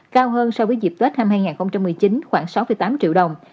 cao hơn so với dịp tết năm hai nghìn một mươi chín khoảng sáu tám triệu đồng